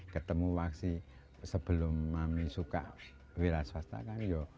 ketemu waksi sebelum mami suka wiras wasta kan ya